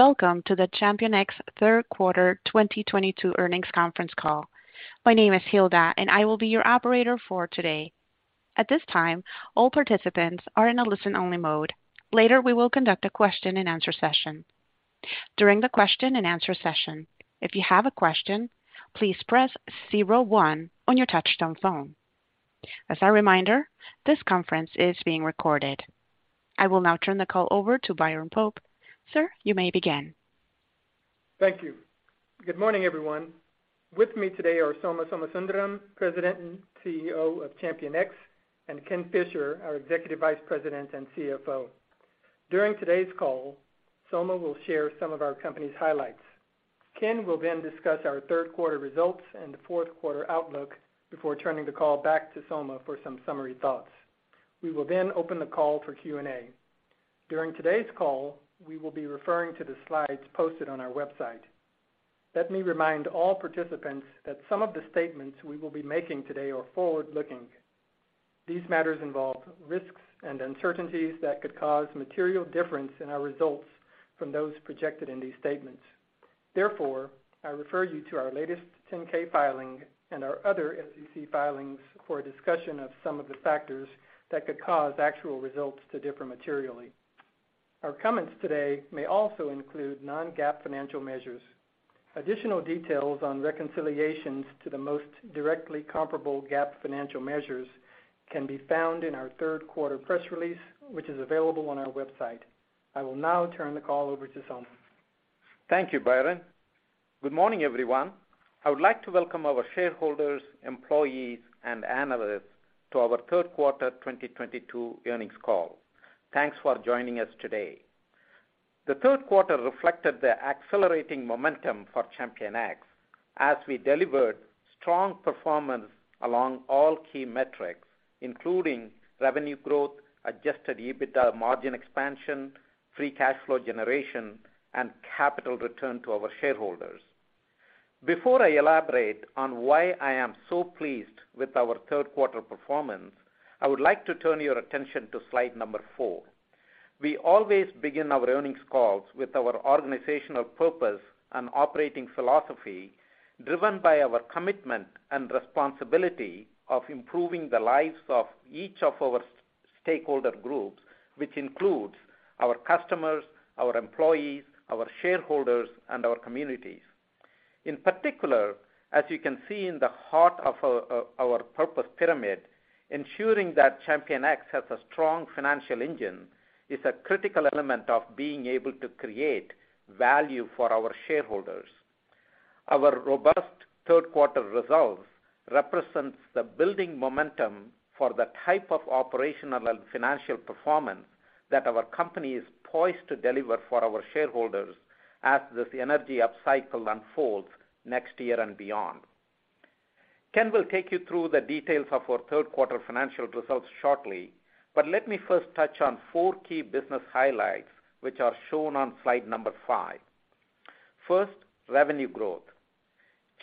Welcome to the ChampionX third quarter 2022 earnings conference call. My name is Hilda, and I will be your operator for today. At this time, all participants are in a listen-only mode. Later, we will conduct a question-and-answer session. During the question-and-answer session, if you have a question, please press zero one on your touchtone phone. As a reminder, this conference is being recorded. I will now turn the call over to Byron Pope. Sir, you may begin. Thank you. Good morning, everyone. With me today are Soma Somasundaram, President and CEO of ChampionX, and Ken Fisher, our Executive Vice President and CFO. During today's call, Soma will share some of our company's highlights. Ken will then discuss our third quarter results and the fourth quarter outlook before turning the call back to Soma for some summary thoughts. We will then open the call for Q&A. During today's call, we will be referring to the slides posted on our website. Let me remind all participants that some of the statements we will be making today are forward-looking. These matters involve risks and uncertainties that could cause material difference in our results from those projected in these statements. Therefore, I refer you to our latest 10-K filing and our other SEC filings for a discussion of some of the factors that could cause actual results to differ materially. Our comments today may also include non-GAAP financial measures. Additional details on reconciliations to the most directly comparable GAAP financial measures can be found in our third quarter press release, which is available on our website. I will now turn the call over to Soma. Thank you, Byron. Good morning, everyone. I would like to welcome our shareholders, employees, and analysts to our third quarter 2022 earnings call. Thanks for joining us today. The third quarter reflected the accelerating momentum for ChampionX as we delivered strong performance along all key metrics, including revenue growth, adjusted EBITDA margin expansion, free cash flow generation, and capital return to our shareholders. Before I elaborate on why I am so pleased with our third quarter performance, I would like to turn your attention to slide number 4. We always begin our earnings calls with our organizational purpose and operating philosophy, driven by our commitment and responsibility of improving the lives of each of our stakeholder groups, which includes our customers, our employees, our shareholders, and our communities. In particular, as you can see in the heart of our purpose pyramid, ensuring that ChampionX has a strong financial engine is a critical element of being able to create value for our shareholders. Our robust third quarter results represents the building momentum for the type of operational and financial performance that our company is poised to deliver for our shareholders as this energy upcycle unfolds next year and beyond. Ken will take you through the details of our third quarter financial results shortly, but let me first touch on four key business highlights, which are shown on slide number 5. First, revenue growth.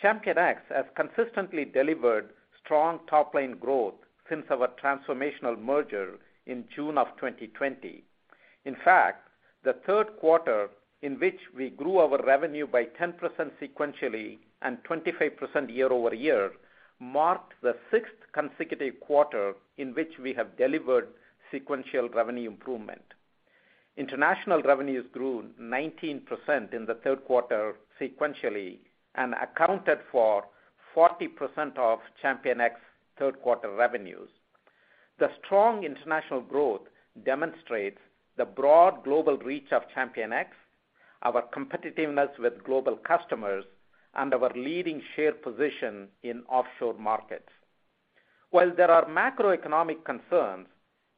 ChampionX has consistently delivered strong top-line growth since our transformational merger in June of 2020. In fact, the third quarter, in which we grew our revenue by 10% sequentially and 25% year-over-year, marked the sixth consecutive quarter in which we have delivered sequential revenue improvement. International revenues grew 19% in the third quarter sequentially and accounted for 40% of ChampionX third quarter revenues. The strong international growth demonstrates the broad global reach of ChampionX, our competitiveness with global customers, and our leading share position in offshore markets. While there are macroeconomic concerns,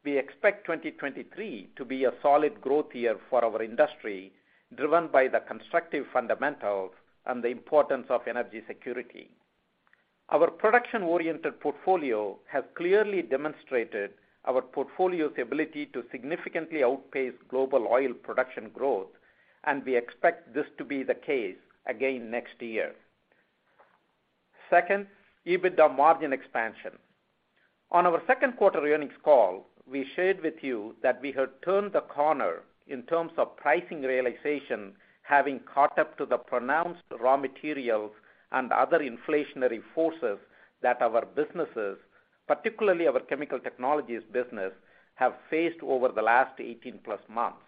we expect 2023 to be a solid growth year for our industry, driven by the constructive fundamentals and the importance of energy security. Our production-oriented portfolio has clearly demonstrated our portfolio's ability to significantly outpace global oil production growth, and we expect this to be the case again next year. Second, EBITDA margin expansion. On our second quarter earnings call, we shared with you that we had turned the corner in terms of pricing realization, having caught up to the pronounced raw materials and other inflationary forces that our businesses, particularly our chemical technologies business, have faced over the last 18+ months.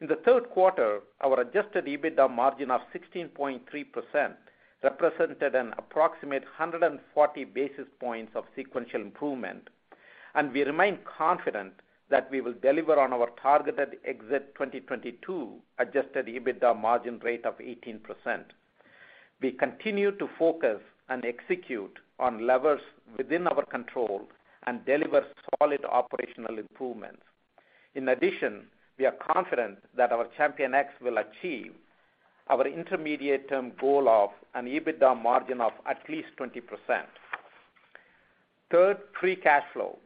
In the third quarter, our adjusted EBITDA margin of 16.3% represented an approximate 140 basis points of sequential improvement, and we remain confident that we will deliver on our targeted exit 2022 adjusted EBITDA margin rate of 18%. We continue to focus and execute on levers within our control and deliver solid operational improvements. In addition, we are confident that our ChampionX will achieve our intermediate-term goal of an EBITDA margin of at least 20%. Third, free cash flow.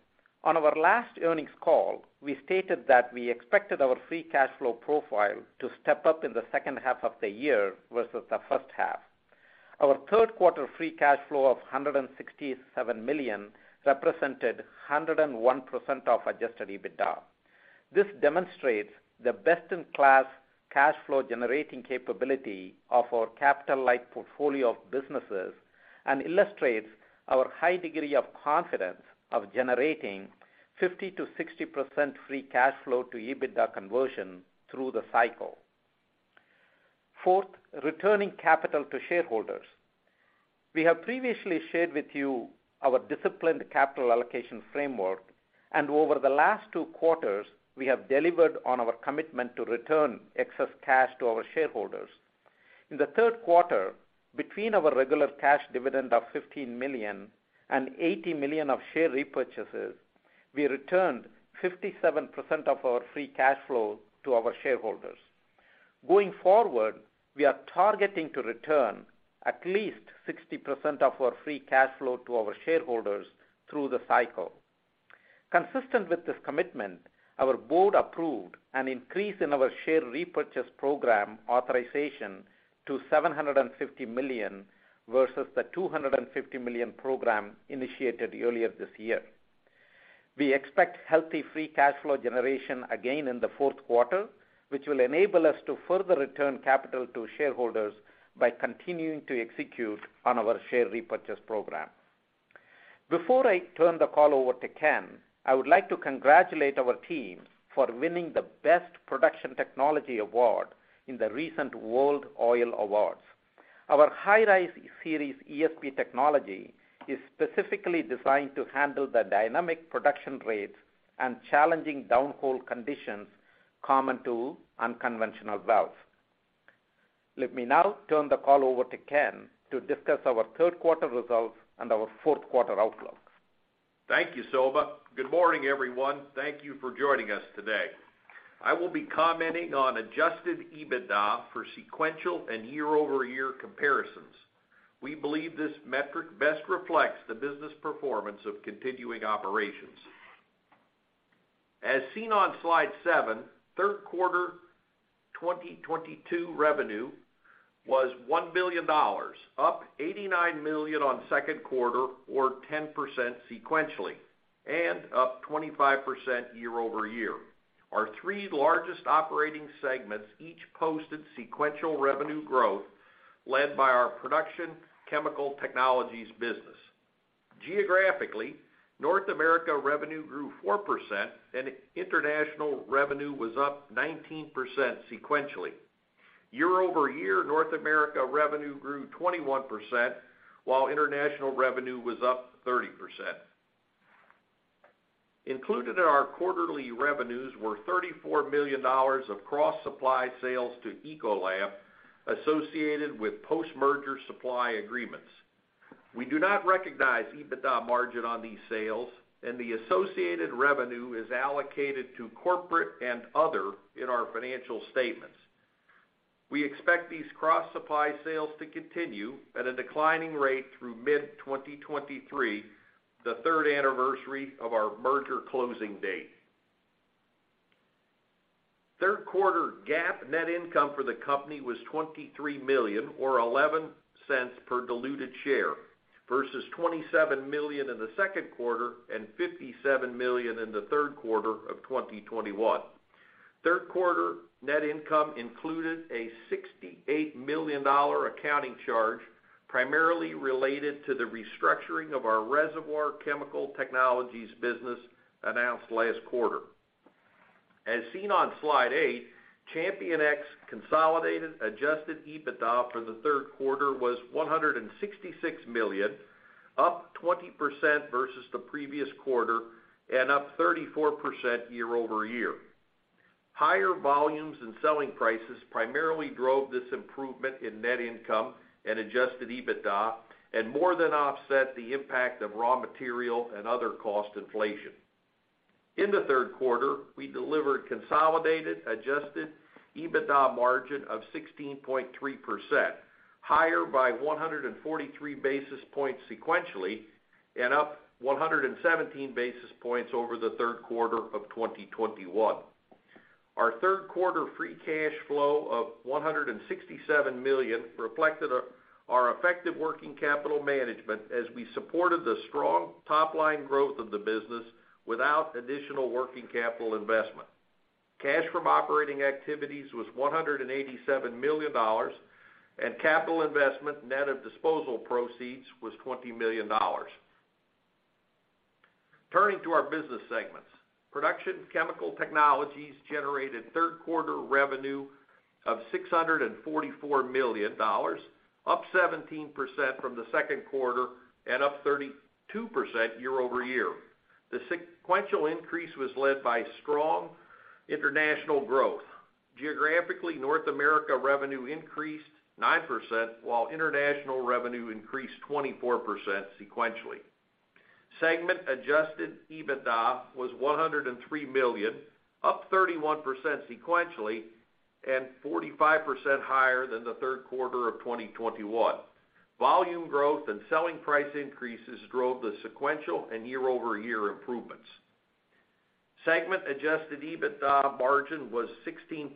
On our last earnings call, we stated that we expected our free cash flow profile to step up in the second half of the year versus the first half. Our third quarter free cash flow of $167 million represented 101% of adjusted EBITDA. This demonstrates the best-in-class cash flow generating capability of our capital-like portfolio of businesses and illustrates our high degree of confidence of generating 50%-60% free cash flow to EBITDA conversion through the cycle. Fourth, returning capital to shareholders. We have previously shared with you our disciplined capital allocation framework, and over the last two quarters, we have delivered on our commitment to return excess cash to our shareholders. In the third quarter, between our regular cash dividend of $15 million and $80 million of share repurchases, we returned 57% of our free cash flow to our shareholders. Going forward, we are targeting to return at least 60% of our free cash flow to our shareholders through the cycle. Consistent with this commitment, our board approved an increase in our share repurchase program authorization to $750 million versus the $250 million program initiated earlier this year. We expect healthy free cash flow generation again in the fourth quarter, which will enable us to further return capital to shareholders by continuing to execute on our share repurchase program. Before I turn the call over to Ken, I would like to congratulate our team for winning the Best Production Technology Award in the recent World Oil Awards. Our High-Rise Series ESP technology is specifically designed to handle the dynamic production rates and challenging downhole conditions common to unconventional wells. Let me now turn the call over to Ken to discuss our third quarter results and our fourth quarter outlooks. Thank you, Soma. Good morning, everyone. Thank you for joining us today. I will be commenting on adjusted EBITDA for sequential and year-over-year comparisons. We believe this metric best reflects the business performance of continuing operations. As seen on Slide 7, third quarter 2022 revenue was $1 billion, up $89 million on second quarter or 10% sequentially, and up 25% year-over-year. Our three largest operating segments each posted sequential revenue growth led by our Production Chemical Technologies business. Geographically, North America revenue grew 4% and international revenue was up 19% sequentially. Year-over-year, North America revenue grew 21%, while international revenue was up 30%. Included in our quarterly revenues were $34 million of cross-supply sales to Ecolab associated with post-merger supply agreements. We do not recognize EBITDA margin on these sales, and the associated revenue is allocated to corporate and other in our financial statements. We expect these cross-supply sales to continue at a declining rate through mid-2023, the third anniversary of our merger closing date. Third quarter GAAP net income for the company was $23 million, or $0.11 per diluted share, versus $27 million in the second quarter and $57 million in the third quarter of 2021. Third quarter net income included a $68 million accounting charge, primarily related to the restructuring of our Reservoir Chemical Technologies business announced last quarter. As seen on Slide 8, ChampionX consolidated adjusted EBITDA for the third quarter was $166 million, up 20% versus the previous quarter and up 34% year-over-year. Higher volumes and selling prices primarily drove this improvement in net income and adjusted EBITDA and more than offset the impact of raw material and other cost inflation. In the third quarter, we delivered consolidated adjusted EBITDA margin of 16.3%, higher by 143 basis points sequentially, and up 117 basis points over the third quarter of 2021. Our third quarter free cash flow of $167 million reflected our effective working capital management as we supported the strong top line growth of the business without additional working capital investment. Cash from operating activities was $187 million, and capital investment net of disposal proceeds was $20 million. Turning to our business segments. Production Chemical Technologies generated third quarter revenue of $644 million, up 17% from the second quarter and up 32% year-over-year. The sequential increase was led by strong international growth. Geographically, North America revenue increased 9%, while international revenue increased 24% sequentially. Segment adjusted EBITDA was $103 million, up 31% sequentially and 45% higher than the third quarter of 2021. Volume growth and selling price increases drove the sequential and year-over-year improvements. Segment adjusted EBITDA margin was 16%,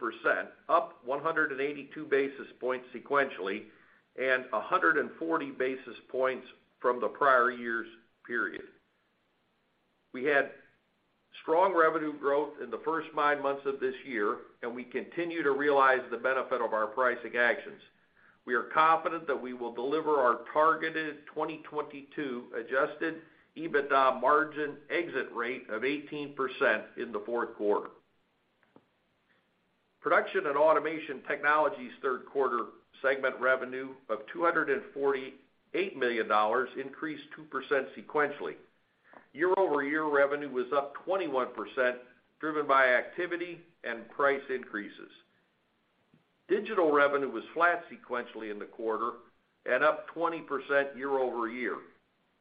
up 182 basis points sequentially, and 140 basis points from the prior year's period. We had strong revenue growth in the first nine months of this year, and we continue to realize the benefit of our pricing actions. We are confident that we will deliver our targeted 2022 adjusted EBITDA margin exit rate of 18% in the fourth quarter. Production & Automation Technologies third quarter segment revenue of $248 million increased 2% sequentially. Year-over-year revenue was up 21%, driven by activity and price increases. Digital revenue was flat sequentially in the quarter and up 20% year-over-year.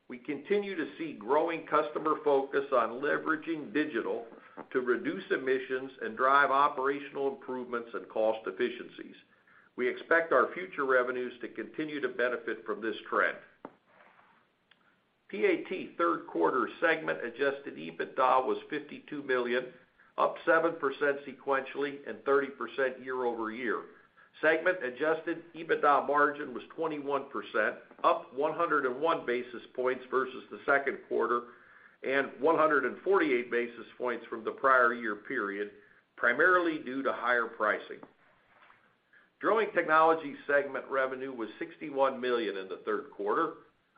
We continue to see growing customer focus on leveraging digital to reduce emissions and drive operational improvements and cost efficiencies. We expect our future revenues to continue to benefit from this trend. PAT third quarter segment adjusted EBITDA was $52 million, up 7% sequentially and 30% year-over-year. Segment adjusted EBITDA margin was 21%, up 101 basis points versus the second quarter and 148 basis points from the prior year period, primarily due to higher pricing. Drilling Technologies segment revenue was $61 million in the third quarter,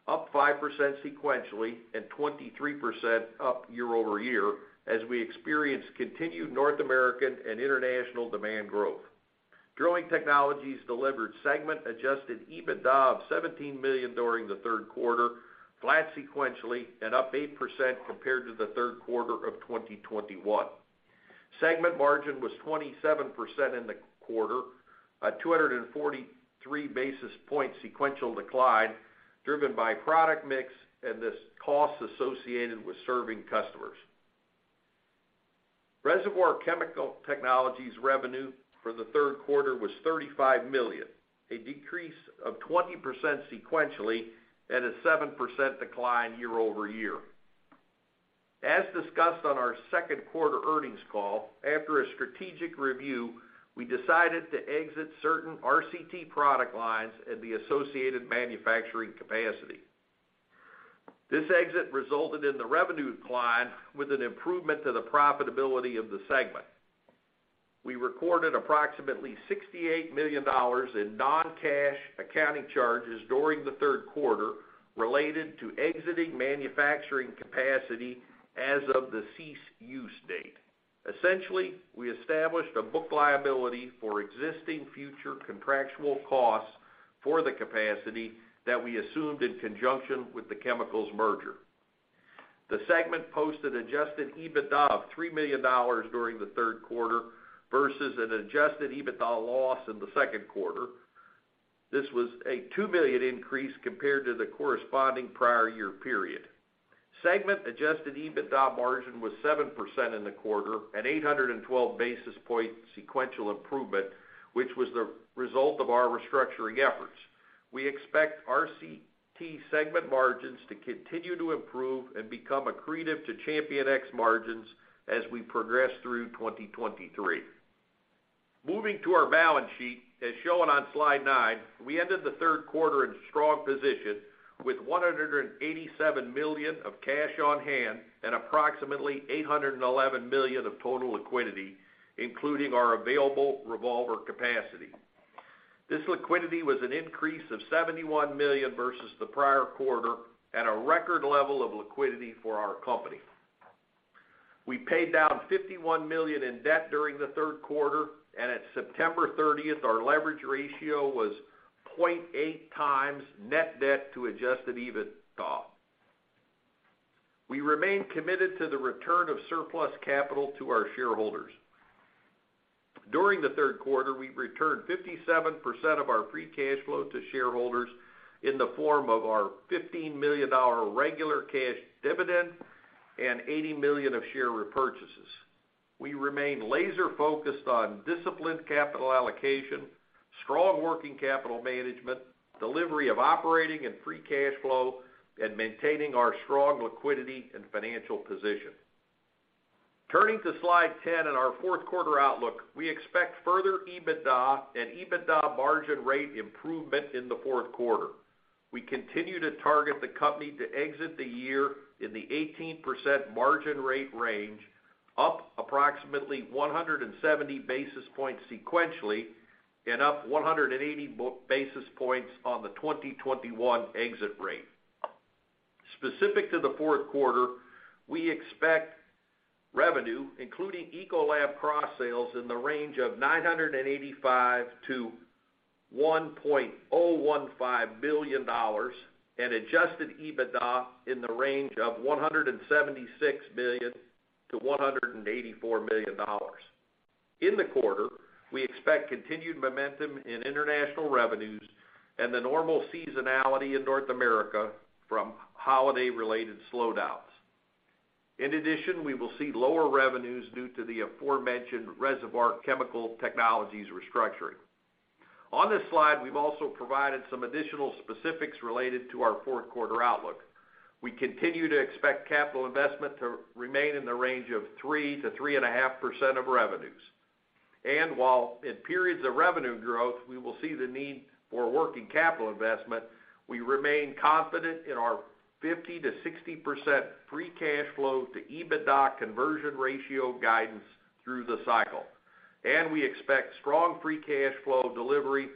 up 5% sequentially and 23% year-over-year, as we experienced continued North American and international demand growth. Drilling Technologies delivered segment adjusted EBITDA of $17 million during the third quarter, flat sequentially and up 8% compared to the third quarter of 2021. Segment margin was 27% in the quarter, a 243 basis point sequential decline driven by product mix and these costs associated with serving customers. Reservoir Chemical Technologies revenue for the third quarter was $35 million, a decrease of 20% sequentially and a 7% decline year-over-year. As discussed on our second quarter earnings call, after a strategic review, we decided to exit certain RCT product lines and the associated manufacturing capacity. This exit resulted in the revenue decline with an improvement to the profitability of the segment. We recorded approximately $68 million in non-cash accounting charges during the third quarter related to exiting manufacturing capacity as of the cease use date. Essentially, we established a book liability for existing future contractual costs for the capacity that we assumed in conjunction with the chemicals merger. The segment posted adjusted EBITDA of $3 million during the third quarter versus an adjusted EBITDA loss in the second quarter. This was a $2 million increase compared to the corresponding prior year period. Segment adjusted EBITDA margin was 7% in the quarter, an 812 basis point sequential improvement, which was the result of our restructuring efforts. We expect RCT segment margins to continue to improve and become accretive to ChampionX margins as we progress through 2023. Moving to our balance sheet, as shown on Slide 9, we ended the third quarter in strong position with $187 million of cash on hand and approximately $811 million of total liquidity, including our available revolver capacity. This liquidity was an increase of $71 million versus the prior quarter at a record level of liquidity for our company. We paid down $51 million in debt during the third quarter, and at September 30, our leverage ratio was 0.8x net debt to adjusted EBITDA. We remain committed to the return of surplus capital to our shareholders. During the third quarter, we returned 57% of our free cash flow to shareholders in the form of our $15 million regular cash dividend and $80 million of share repurchases. We remain laser-focused on disciplined capital allocation, strong working capital management, delivery of operating and free cash flow, and maintaining our strong liquidity and financial position. Turning to Slide 10 and our fourth quarter outlook, we expect further EBITDA and EBITDA margin rate improvement in the fourth quarter. We continue to target the company to exit the year in the 18% margin rate range, up approximately 170 basis points sequentially and up 180 basis points on the 2021 exit rate. Specific to the fourth quarter, we expect revenue, including Ecolab cross-sales, in the range of $985 million-$1.015 billion and adjusted EBITDA in the range of $176 million-$184 million. In the quarter, we expect continued momentum in international revenues and the normal seasonality in North America from holiday-related slowdowns. In addition, we will see lower revenues due to the aforementioned Reservoir Chemical Technologies restructuring. On this slide, we've also provided some additional specifics related to our fourth quarter outlook. We continue to expect capital investment to remain in the range of 3%-3.5% of revenues. While in periods of revenue growth, we will see the need for working capital investment, we remain confident in our 50%-60% free cash flow to EBITDA conversion ratio guidance through the cycle. We expect strong free cash flow delivery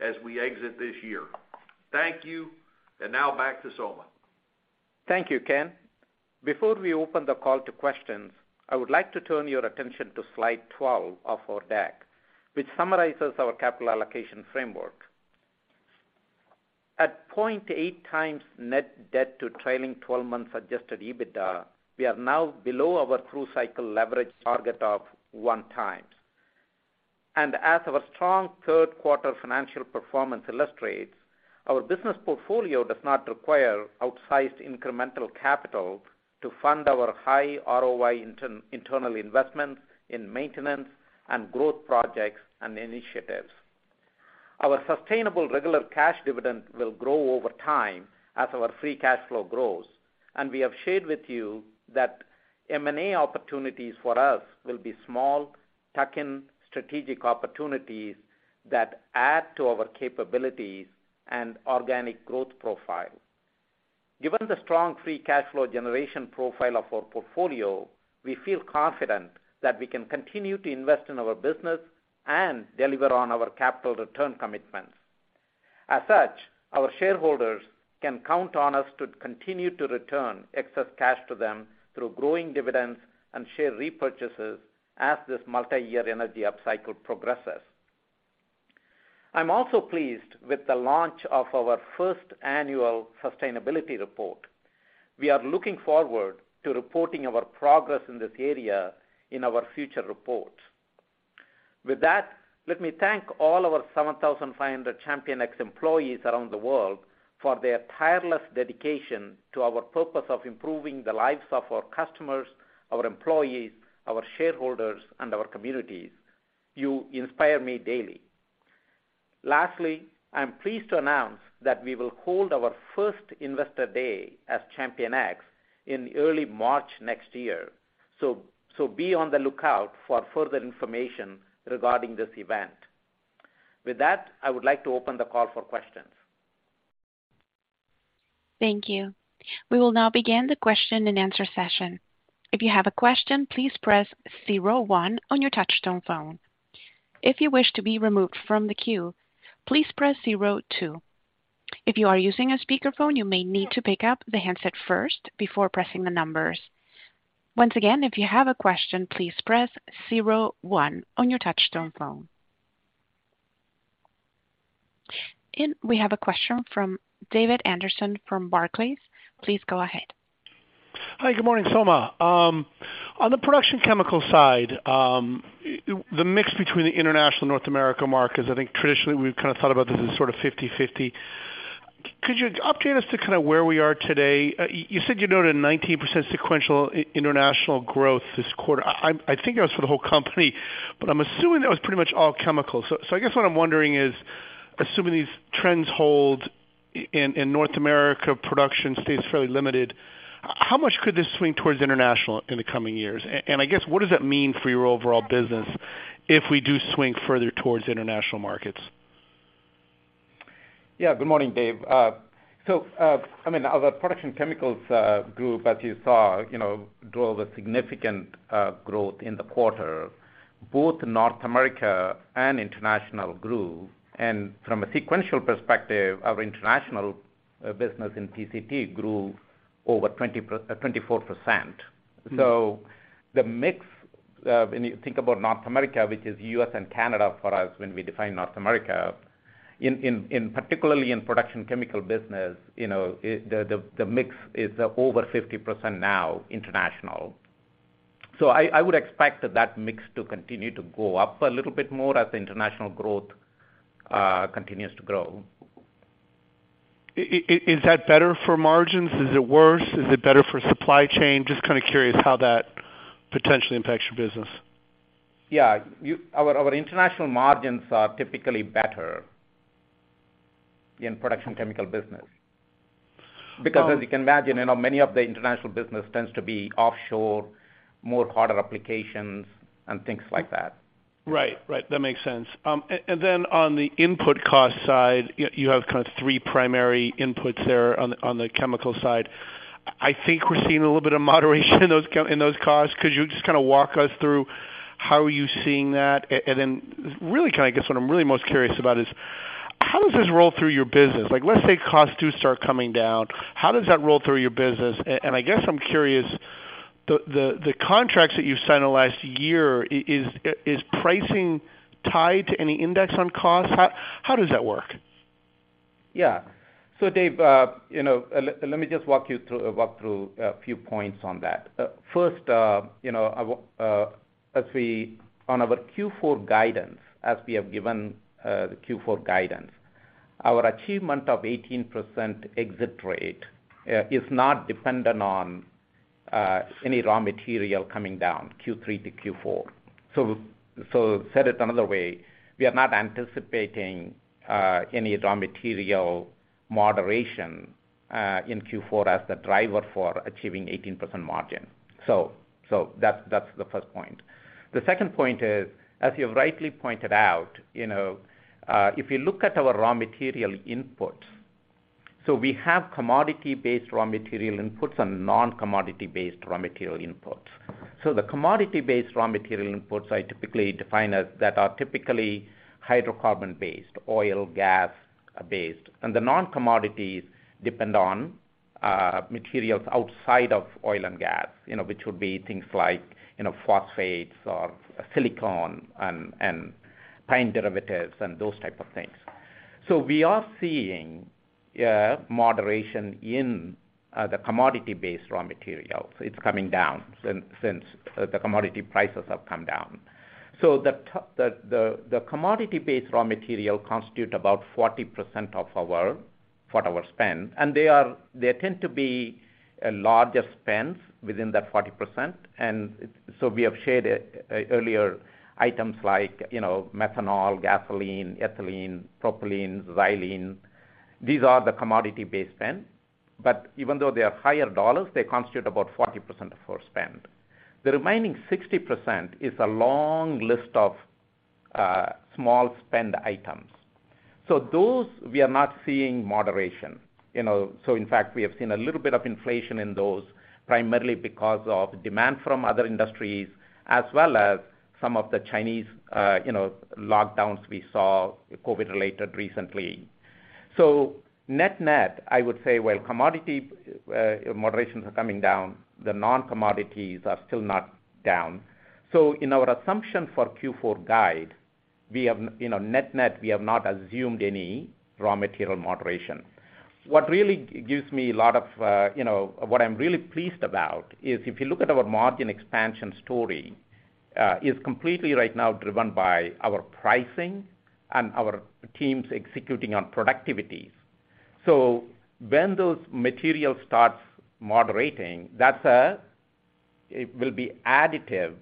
as we exit this year. Thank you. Now back to Soma. Thank you, Ken. Before we open the call to questions, I would like to turn your attention to Slide 12 of our deck, which summarizes our capital allocation framework. At 0.8x net debt to trailing 12 months adjusted EBITDA, we are now below our through cycle leverage target of 1x. As our strong third quarter financial performance illustrates, our business portfolio does not require outsized incremental capital to fund our high ROI internal investments in maintenance and growth projects and initiatives. Our sustainable regular cash dividend will grow over time as our free cash flow grows. We have shared with you that M&A opportunities for us will be small, tuck-in strategic opportunities that add to our capabilities and organic growth profile. Given the strong free cash flow generation profile of our portfolio, we feel confident that we can continue to invest in our business and deliver on our capital return commitments. As such, our shareholders can count on us to continue to return excess cash to them through growing dividends and share repurchases as this multiyear energy upcycle progresses. I'm also pleased with the launch of our first annual sustainability report. We are looking forward to reporting our progress in this area in our future reports. With that, let me thank all our 7,500 ChampionX employees around the world for their tireless dedication to our purpose of improving the lives of our customers, our employees, our shareholders, and our communities. You inspire me daily. Lastly, I'm pleased to announce that we will hold our first Investor Day as ChampionX in early March next year. Be on the lookout for further information regarding this event. With that, I would like to open the call for questions. Thank you. We will now begin the question-and-answer session. If you have a question, please press zero one on your touchtone phone. If you wish to be removed from the queue, please press zero two. If you are using a speakerphone, you may need to pick up the handset first before pressing the numbers. Once again, if you have a question, please press zero one on your touchtone phone. We have a question from David Anderson from Barclays. Please go ahead. Hi. Good morning, Soma. On the production chemical side, the mix between the international, North America markets, I think traditionally we've kind of thought about this as sort of 50/50. Could you update us to kind of where we are today? You said you noted 19% sequential international growth this quarter. I think that was for the whole company, but I'm assuming that was pretty much all chemicals. I guess what I'm wondering is, assuming these trends hold in North America, production stays fairly limited, how much could this swing towards international in the coming years? And I guess, what does that mean for your overall business if we do swing further towards international markets? Yeah. Good morning, Dave. I mean, our production chemicals group, as you saw, you know, drove a significant growth in the quarter. Both North America and international grew. From a sequential perspective, our international business in PCT grew over 24%. The mix, when you think about North America, which is U.S. and Canada for us, when we define North America, particularly in production chemical business, you know, the mix is over 50% now international. I would expect that mix to continue to go up a little bit more as the international growth continues to grow. Is that better for margins? Is it worse? Is it better for supply chain? Just kind of curious how that potentially impacts your business. Our international margins are typically better in Production Chemical business. So. Because as you can imagine, you know, many of the international business tends to be offshore, more harder applications and things like that. Right. That makes sense. On the input cost side, you have kind of three primary inputs there on the chemical side. I think we're seeing a little bit of moderation in those costs. Could you just kinda walk us through how are you seeing that? Really kind of I guess what I'm really most curious about is how does this roll through your business? Like, let's say costs do start coming down, how does that roll through your business? I guess I'm curious, the contracts that you've signed in the last year, is pricing tied to any index on costs? How does that work? Dave, you know, let me just walk through a few points on that. First, you know, on our Q4 guidance, as we have given, the Q4 guidance, our achievement of 18% exit rate is not dependent on any raw material coming down Q3 to Q4. Said it another way, we are not anticipating any raw material moderation in Q4 as the driver for achieving 18% margin. That's the first point. The second point is, as you rightly pointed out, you know, if you look at our raw material input, so we have commodity-based raw material inputs and non-commodity based raw material inputs. The commodity-based raw material inputs are typically defined as those that are typically hydrocarbon-based, oil, gas-based. The non-commodities depend on materials outside of oil and gas, you know, which would be things like, you know, phosphates or silicone and pine derivatives and those type of things. We are seeing moderation in the commodity-based raw material. It's coming down since the commodity prices have come down. The commodity-based raw material constitute about 40% of our spend, and they tend to be larger spends within that 40%. We have shared earlier items like, you know, methanol, gasoline, ethylene, propylene, xylene. These are the commodity-based spend, but even though they are higher dollars, they constitute about 40% of our spend. The remaining 60% is a long list of small spend items. Those we are not seeing moderation, you know. In fact, we have seen a little bit of inflation in those, primarily because of demand from other industries as well as some of the Chinese, you know, lockdowns we saw COVID-related recently. Net-net, I would say, well, commodity moderations are coming down, the non-commodities are still not down. In our assumption for Q4 guide, we have, you know, net-net, we have not assumed any raw material moderation. What really gives me a lot of, you know, what I'm really pleased about is if you look at our margin expansion story, is completely right now driven by our pricing and our teams executing on productivities. When those materials starts moderating, that's a. It will be additive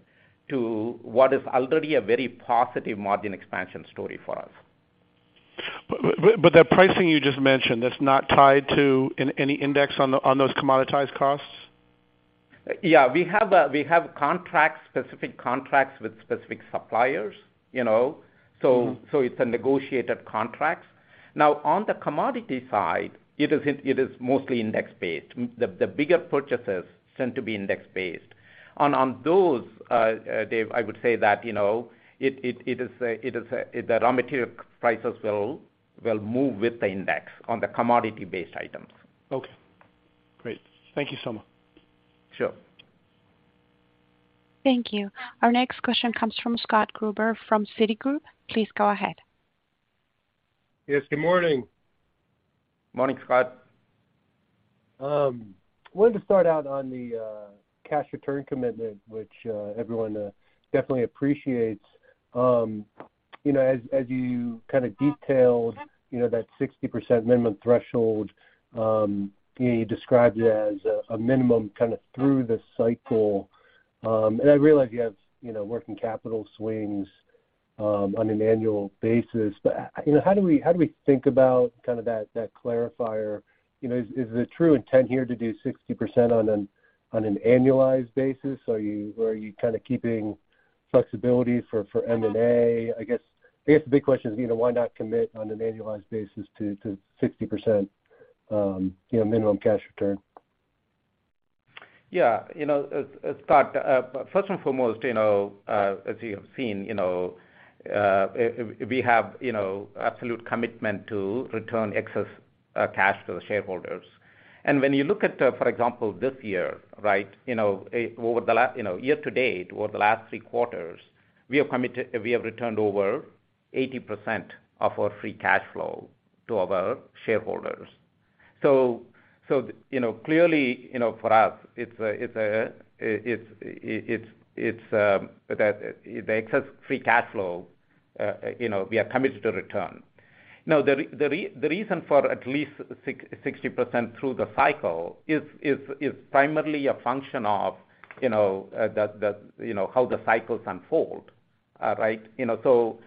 to what is already a very positive margin expansion story for us. That pricing you just mentioned, that's not tied to any index on those commoditized costs? Yeah. We have contracts, specific contracts with specific suppliers, you know. Mm-hmm. It's a negotiated contracts. Now, on the commodity side, it is mostly index-based. The bigger purchases tend to be index-based. On those, David, I would say that, you know, the raw material prices will move with the index on the commodity-based items. Okay. Great. Thank you, Soma. Sure. Thank you. Our next question comes from Scott Gruber from Citigroup. Please go ahead. Yes, good morning. Morning, Scott. Wanted to start out on the cash return commitment, which everyone definitely appreciates. You know, as you kind of detailed, you know, that 60% minimum threshold, you know, you described it as a minimum kind of through the cycle. I realize you have, you know, working capital swings on an annual basis. You know, how do we think about kind of that clarifier? You know, is the true intent here to do 60% on an annualized basis? Are you kind of keeping flexibility for M&A? I guess the big question is, you know, why not commit on an annualized basis to 60%, you know, minimum cash return? Yeah. You know, Scott, first and foremost, you know, as you have seen, you know, we have absolute commitment to return excess cash to the shareholders. When you look at, for example, this year, right? You know, year to date, over the last three quarters, we have returned over 80% of our free cash flow to our shareholders. You know, clearly, you know, for us, it's the excess free cash flow, you know, we are committed to return. Now, the reason for at least 60% through the cycle is primarily a function of, you know, how the cycles unfold, right? You know,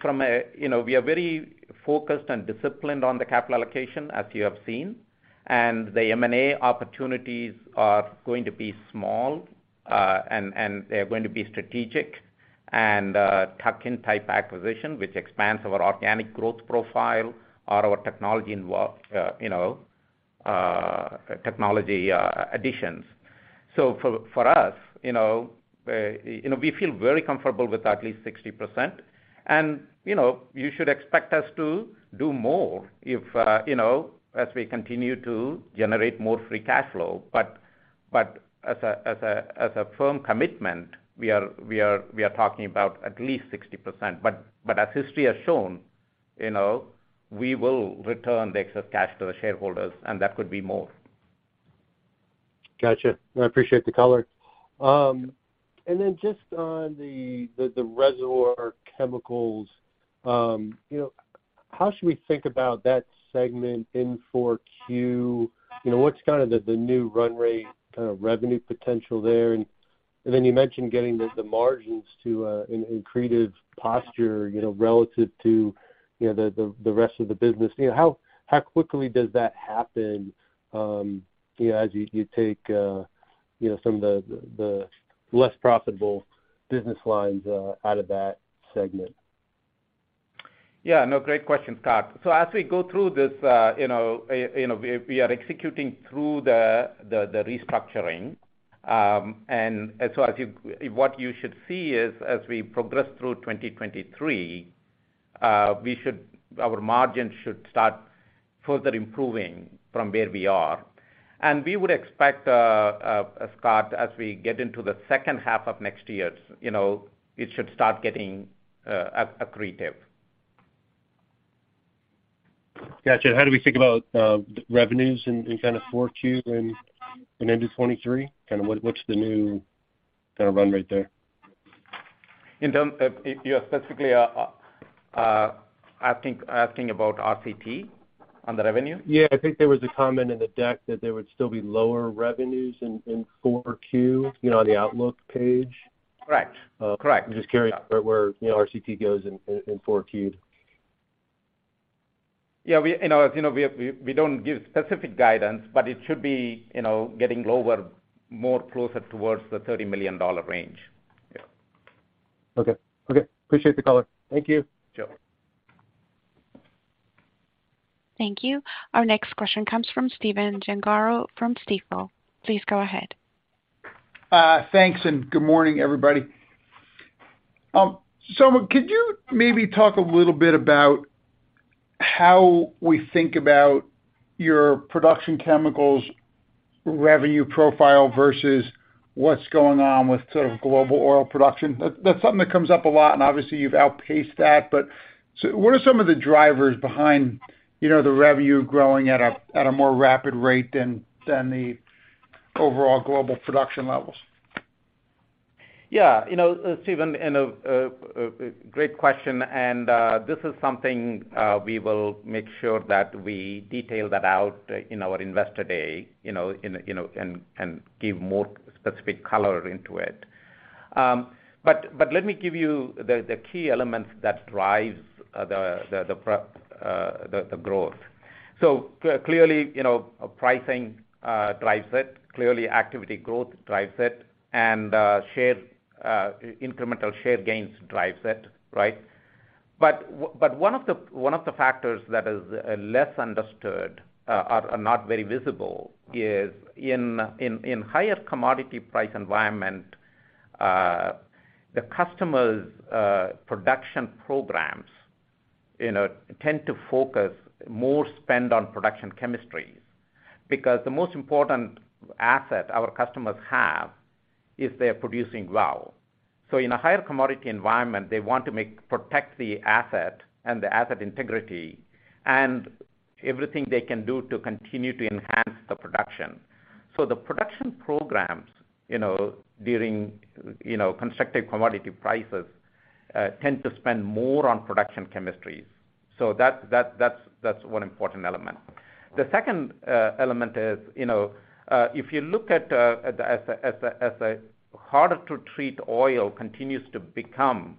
from a you know, we are very focused and disciplined on the capital allocation, as you have seen, and the M&A opportunities are going to be small, and they're going to be strategic and tuck-in type acquisition, which expands our organic growth profile or our technology additions. For us, you know, we feel very comfortable with at least 60%. You know, you should expect us to do more if, you know, as we continue to generate more free cash flow. But as a firm commitment, we are talking about at least 60%. As history has shown, you know, we will return the excess cash to the shareholders, and that could be more. Gotcha. I appreciate the color. Then just on the Reservoir Chemicals, how should we think about that segment in 4Q? You know, what's kind of the new run rate revenue potential there? Then you mentioned getting the margins to an accretive posture, you know, relative to the rest of the business. You know, how quickly does that happen, you know, as you take some of the less profitable business lines out of that segment? Yeah. No, great question, Scott. As we go through this, you know, we are executing through the restructuring. What you should see is, as we progress through 2023, our margins should start further improving from where we are. We would expect, Scott, as we get into the second half of next year, you know, it should start getting accretive. Got you. How do we think about the revenues in kind of 4Q and into 2023? Kinda what's the new kinda run rate there? You're specifically asking about RCT on the revenue? Yeah. I think there was a comment in the deck that there would still be lower revenues in 4Q, you know, on the outlook page. Correct. Correct. I'm just curious where, you know, RCT goes in 4Q. Yeah. We, you know, as you know, we don't give specific guidance, but it should be, you know, getting lower, more closer towards the $30 million range. Yeah. Okay. Appreciate the color. Thank you. Sure. Thank you. Our next question comes from Stephen Gengaro from Stifel. Please go ahead. Thanks, and good morning, everybody. Soma, could you maybe talk a little bit about how we think about your production chemicals revenue profile versus what's going on with sort of global oil production? That's something that comes up a lot, and obviously you've outpaced that. What are some of the drivers behind, you know, the revenue growing at a more rapid rate than the overall global production levels? Yeah. You know, Stephen Gengaro, great question. This is something we will make sure that we detail that out in our investor day, you know, and give more specific color into it. But let me give you the key elements that drive the growth. Clearly, you know, pricing drives it. Clearly activity growth drives it. Incremental share gains drives it, right? One of the factors that is less understood are not very visible is in higher commodity price environment, the customers' production programs, you know, tend to focus more spend on production chemistries. Because the most important asset our customers have is they're producing well. In a higher commodity environment, they want to protect the asset and the asset integrity and everything they can do to continue to enhance the production. The production programs, you know, during constructive commodity prices tend to spend more on production chemistries. That's one important element. The second element is, you know, if you look at as a harder to treat oil continues to become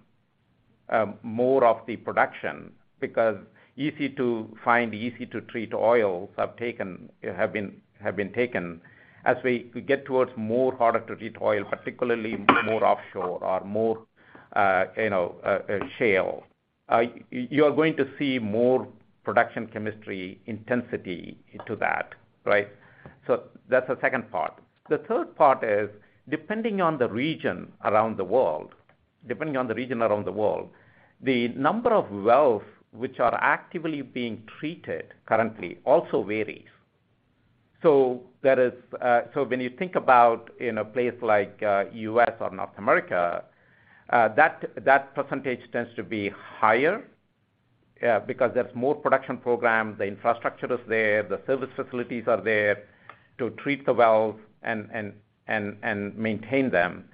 more of the production because easy to find, easy to treat oils have been taken. As we get towards more harder to treat oil, particularly more offshore or more shale, you are going to see more production chemistry intensity to that, right? That's the second part. The third part is, depending on the region around the world, the number of wells which are actively being treated currently also varies. When you think about in a place like U.S. or North America, that percentage tends to be higher because there's more production programs, the infrastructure is there, the service facilities are there to treat the wells and maintain them.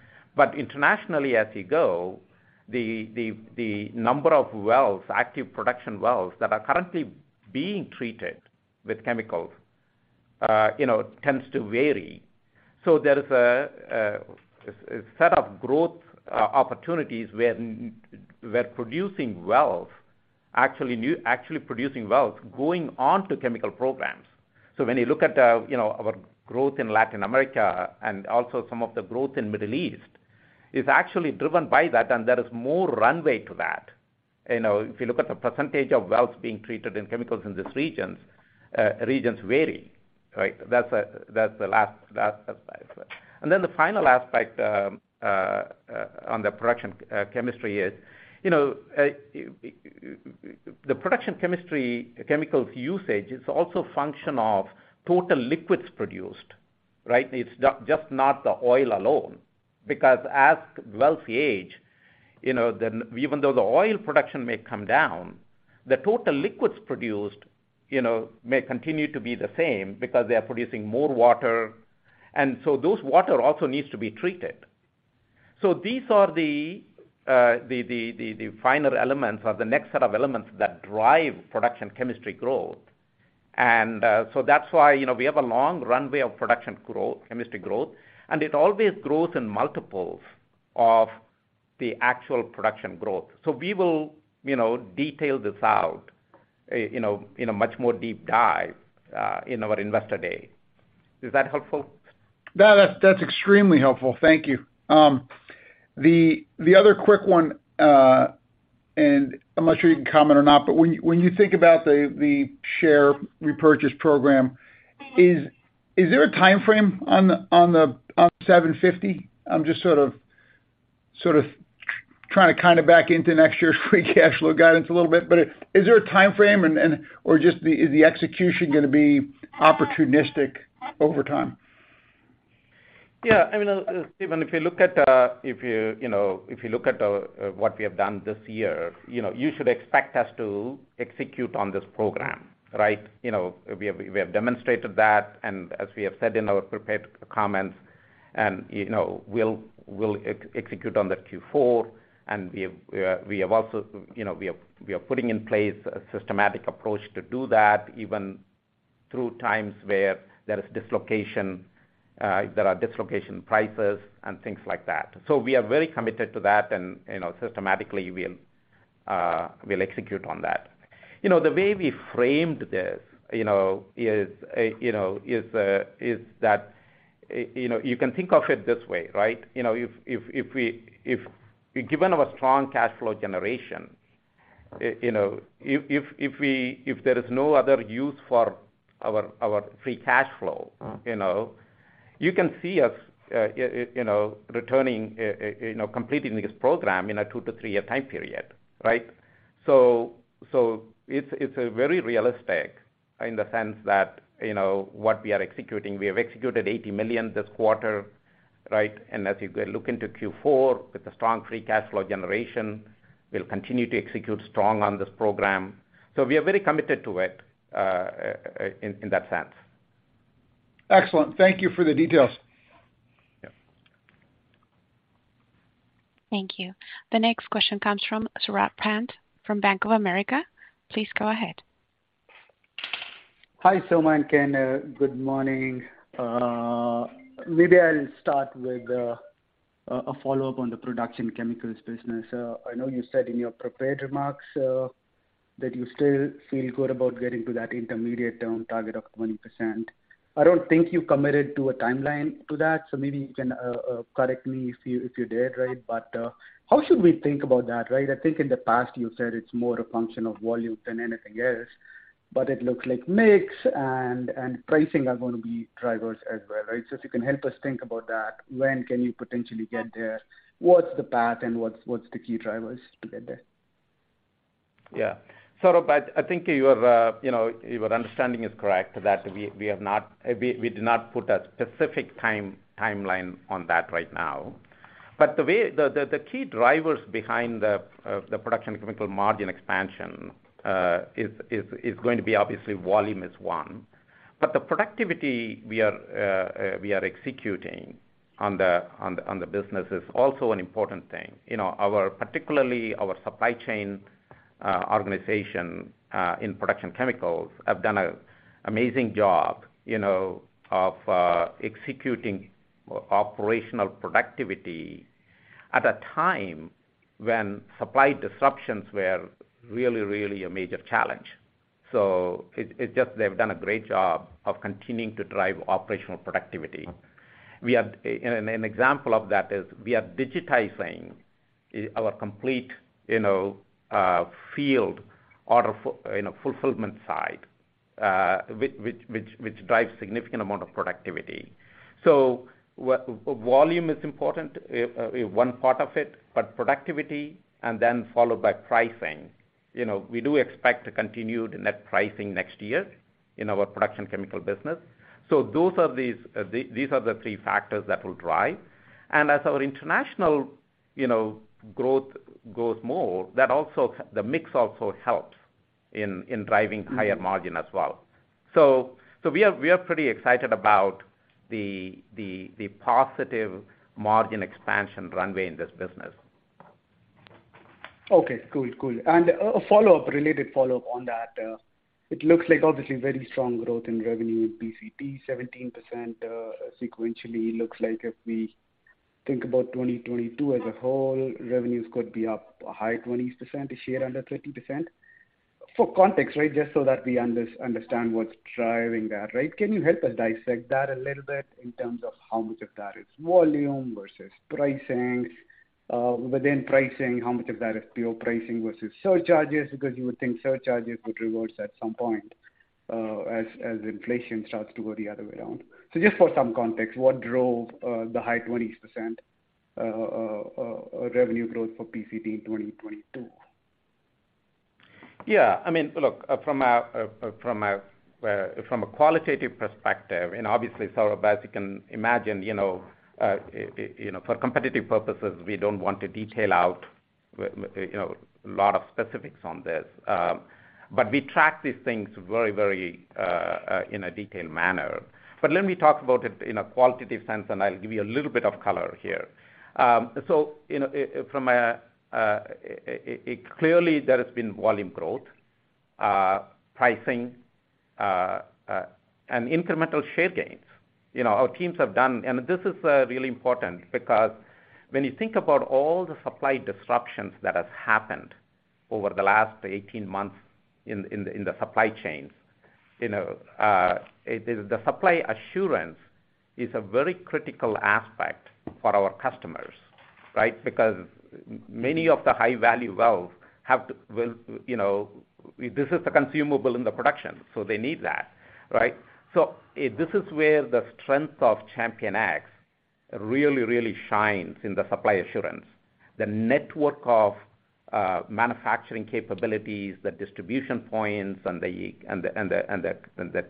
Internationally, as you go, the number of wells, active production wells that are currently being treated with chemicals, you know, tends to vary. There is a set of growth opportunities where producing wells, actually new actually producing wells going on to chemical programs. When you look at, you know, our growth in Latin America and also some of the growth in Middle East, it's actually driven by that, and there is more runway to that. You know, if you look at the percentage of wells being treated in chemicals in these regions vary, right? That's the last aspect. The final aspect on the production chemistry is, you know, the production chemistry chemicals usage is also a function of total liquids produced, right? It's just not the oil alone. Because as wells age, you know, then even though the oil production may come down, the total liquids produced, you know, may continue to be the same because they are producing more water. Those water also needs to be treated. These are the final elements or the next set of elements that drive production chemistry growth. That's why, you know, we have a long runway of production growth, chemistry growth, and it always grows in multiples of the actual production growth. We will, you know, detail this out in a much more deep dive in our investor day. Is that helpful? No, that's extremely helpful. Thank you. The other quick one, and I'm not sure you can comment or not, but when you think about the share repurchase program, is there a timeframe on the $750? I'm just sort of trying to kind of back into next year's free cash flow guidance a little bit. Is there a timeframe, or is the execution gonna be opportunistic over time? Yeah. I mean, Stephen, if you look at what we have done this year, you know, you should expect us to execute on this program, right? You know, we have demonstrated that, and as we have said in our prepared comments, you know, we'll execute on the Q4. We have also, you know, we are putting in place a systematic approach to do that, even through times where there is dislocation, there are dislocation prices and things like that. So we are very committed to that and, you know, systematically we'll execute on that. You know, the way we framed this is that, you know, you can think of it this way, right? You know, if given our strong cash flow generation, you know, if there is no other use for our free cash flow, you know, you can see us, you know, returning, you know, completing this program in a 2-3-year time period, right? It's very realistic in the sense that, you know, what we are executing. We have executed $80 million this quarter, right? As you go look into Q4 with the strong free cash flow generation, we'll continue to execute strong on this program. We are very committed to it, in that sense. Excellent. Thank you for the details. Yeah. Thank you. The next question comes from Saurabh Pant from Bank of America. Please go ahead. Hi, Soma and Ken. Good morning. Maybe I'll start with a follow-up on the production chemicals business. I know you said in your prepared remarks that you still feel good about getting to that intermediate term target of 20%. I don't think you committed to a timeline to that, so maybe you can correct me if you did, right? How should we think about that, right? I think in the past you said it's more a function of volume than anything else, but it looks like mix and pricing are gonna be drivers as well, right? If you can help us think about that, when can you potentially get there? What's the path and what's the key drivers to get there? Yeah. Saurabh, I think you have your understanding is correct, that we did not put a specific timeline on that right now. The key drivers behind the production chemical margin expansion is going to be obviously volume is one. The productivity we are executing on the business is also an important thing. You know, particularly our supply chain organization in production chemicals have done an amazing job, you know, of executing operational productivity at a time when supply disruptions were really a major challenge. It just they've done a great job of continuing to drive operational productivity. An example of that is we are digitizing our complete, you know, field order fulfillment side, you know, which drives significant amount of productivity. Volume is important, one part of it, but productivity and then followed by pricing. You know, we do expect to continue net pricing next year in our production chemical business. Those are the three factors that will drive. As our international, you know, growth grows more, that also, the mix also helps in driving higher margin as well. We are pretty excited about the positive margin expansion runway in this business. Okay. Cool, cool. A related follow-up on that. It looks like obviously very strong growth in revenue in PCT, 17%, sequentially. Looks like if we think about 2022 as a whole, revenues could be up high 20s%, as high as under 30%. For context, right, just so that we understand what's driving that, right, can you help us dissect that a little bit in terms of how much of that is volume versus pricing? Within pricing, how much of that is pure pricing versus surcharges? Because you would think surcharges would reverse at some point, as inflation starts to go the other way around. Just for some context, what drove the high 20s% revenue growth for PCT in 2022? Yeah. I mean, look, from a qualitative perspective, and obviously, Saurabh, as you can imagine, you know, for competitive purposes, we don't want to detail out. You know, a lot of specifics on this. We track these things very in a detailed manner. Let me talk about it in a qualitative sense, and I'll give you a little bit of color here. Clearly there has been volume growth, pricing, and incremental share gains. You know, our teams have done. This is really important because when you think about all the supply disruptions that has happened over the last 18 months in the supply chains, you know, the supply assurance is a very critical aspect for our customers, right? Because many of the high value wells will, you know, this is the consumable in the production, so they need that, right? This is where the strength of ChampionX really shines in the supply assurance. The network of manufacturing capabilities, the distribution points, and the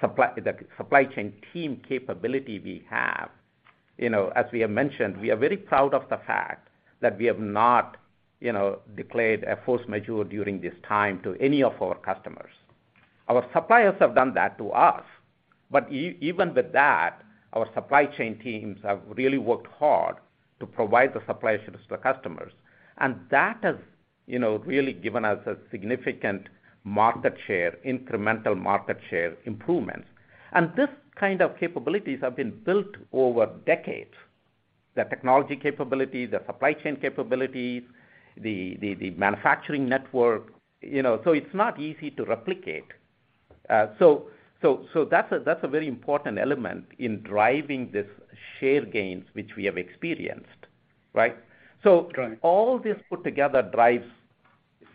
supply chain team capability we have. You know, as we have mentioned, we are very proud of the fact that we have not, you know, declared a force majeure during this time to any of our customers. Our suppliers have done that to us. Even with that, our supply chain teams have really worked hard to provide the supply assurance to the customers. That has, you know, really given us a significant market share, incremental market share improvement. These kind of capabilities have been built over decades. The technology capabilities, the supply chain capabilities, the manufacturing network, you know. It's not easy to replicate. That's a very important element in driving this share gains which we have experienced, right? Right. All this put together drives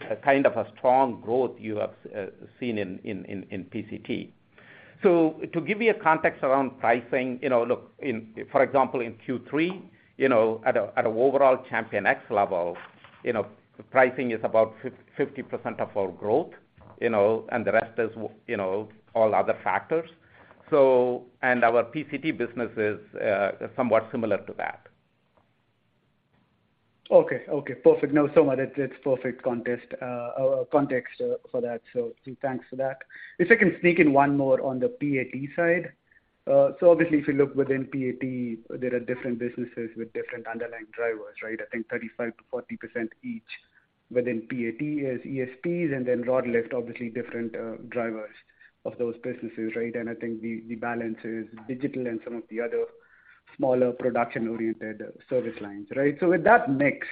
a kind of a strong growth you have seen in PCT. To give you a context around pricing, you know, look in, for example, in Q3, you know, at an overall ChampionX level, you know, pricing is about 50% of our growth, you know, and the rest is, you know, all other factors. Our PCT business is somewhat similar to that. Okay. Okay, perfect. No, Soma, it's perfect context for that. Thanks for that. If I can sneak in one more on the PAT side. Obviously, if you look within PAT, there are different businesses with different underlying drivers, right? I think 35%-40% each within PAT is ESPs and then rod lift, obviously different drivers of those businesses, right? I think the balance is digital and some of the other smaller production-oriented service lines, right? With that mix,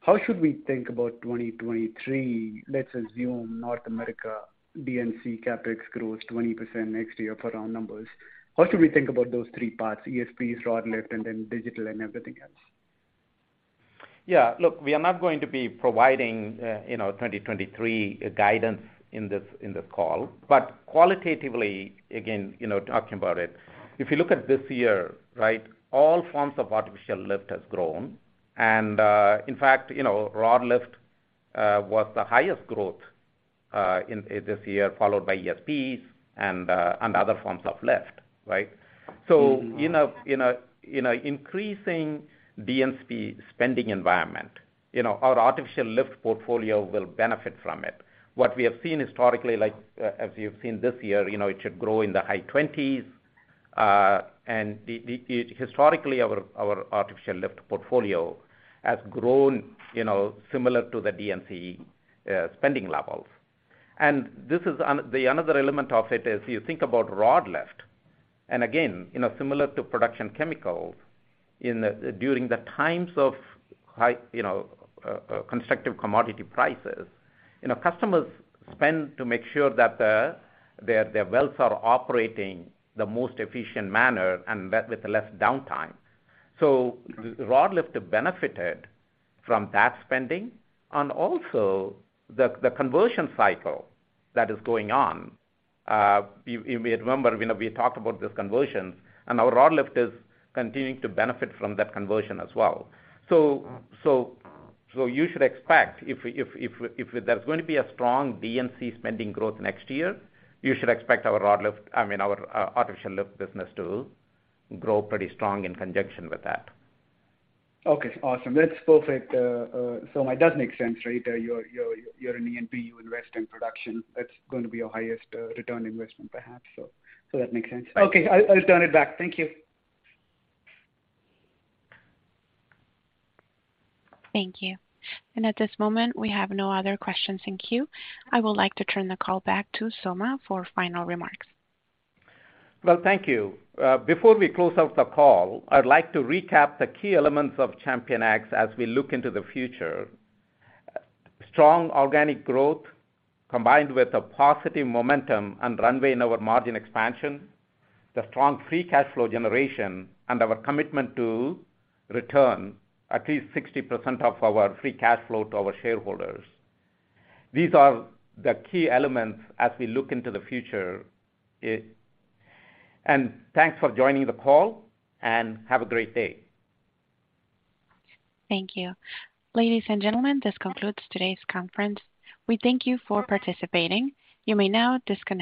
how should we think about 2023? Let's assume North America D&C CapEx grows 20% next year for our numbers. How should we think about those three parts, ESPs, rod lift, and then digital and everything else? Yeah. Look, we are not going to be providing, you know, 2023 guidance in this call. Qualitatively, again, you know, talking about it, if you look at this year, right, all forms of artificial lift has grown. In fact, you know, rod lift was the highest growth in this year, followed by ESPs and other forms of lift, right? Mm-hmm. In an increasing D&C spending environment, you know, our artificial lift portfolio will benefit from it. What we have seen historically, like, as you've seen this year, you know, it should grow in the high 20s%. Historically, our artificial lift portfolio has grown, you know, similar to the D&C spending levels. Another element of it is you think about rod lift, and again, you know, similar to production chemicals during the times of high, you know, constructive commodity prices, you know, customers spend to make sure that, their wells are operating the most efficient manner and with less downtime. Rod lift benefited from that spending and also the conversion cycle that is going on. You may remember when we talked about this conversion, and our rod lift is continuing to benefit from that conversion as well. You should expect, if there's going to be a strong D&C spending growth next year, our rod lift, I mean, our artificial lift business to grow pretty strong in conjunction with that. Okay, awesome. That's perfect, Soma. It does make sense, right? You're an E&P, you invest in production. That's going to be your highest return investment perhaps. That makes sense. Okay, I'll turn it back. Thank you. Thank you. At this moment, we have no other questions in queue. I would like to turn the call back to Soma for final remarks. Well, thank you. Before we close out the call, I'd like to recap the key elements of ChampionX as we look into the future. Strong organic growth combined with a positive momentum and runway in our margin expansion, the strong free cash flow generation and our commitment to return at least 60% of our free cash flow to our shareholders. These are the key elements as we look into the future. Thanks for joining the call, and have a great day. Thank you. Ladies and gentlemen, this concludes today's conference. We thank you for participating. You may now disconnect.